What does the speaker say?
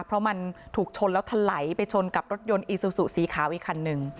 เพราะมันถูกชนแล้วทะไหลไปชนกับรถยนต์อีซูซูสีขาวอีกคันหนึ่ง